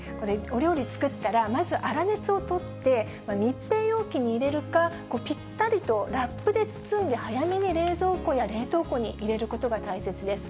お料理作ったらまず、粗熱を取って、密閉容器に入れるか、ぴったりとラップで包んで早めに冷蔵庫や冷凍庫に入れることが大切です。